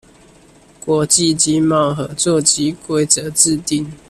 國際經貿合作及規則制定